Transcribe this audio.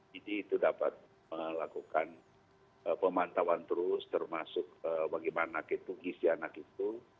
jadi itu dapat melakukan pemantauan terus termasuk bagaimana itu isi anak itu